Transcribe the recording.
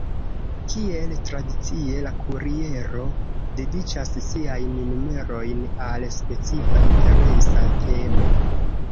Kiel tradicie la Kuriero dediĉas siajn numerojn al specifa interesa temo.